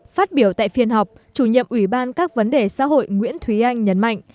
phát biểu tại phiên họp chủ nhiệm ủy ban các vấn đề xã hội nguyễn thúy anh nhấn mạnh